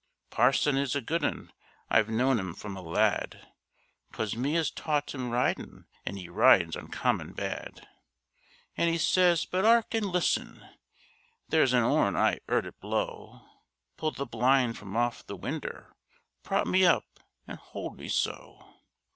Parson is a good 'un. I've known 'im from a lad; 'Twas me as taught 'im ridin', an' 'e rides uncommon bad; And he says—But 'ark an' listen! There's an 'orn! I 'eard it blow; Pull the blind from off the winder! Prop me up, and 'old me so.